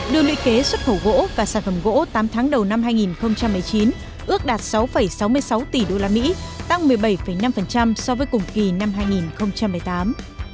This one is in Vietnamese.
đường luyện kế xuất khẩu gỗ và sản phẩm gỗ tám tháng đầu năm hai nghìn một mươi chín ước đạt sáu sáu mươi sáu tỷ đô la mỹ tăng một mươi bảy năm so với cùng kỳ năm hai nghìn một mươi tám